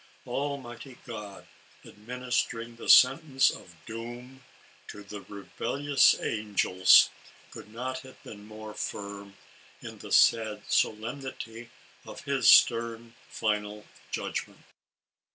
Almighty God, administering the sentence of doom to the rebellious angels, could not have been more firm in the sad solemnity of his stern, final judg ment.